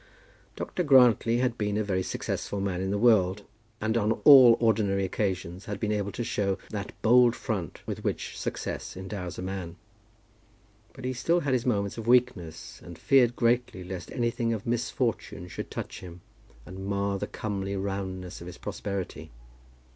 Dr. Grantly had been a very successful man in the world, and on all ordinary occasions had been able to show that bold front with which success endows a man. But he still had his moments of weakness, and feared greatly lest anything of misfortune should touch him, and mar the comely roundness of his prosperity.